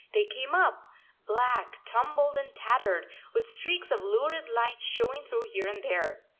They came up, black, tumbled, and tattered, with streaks of lurid light showing through here and there.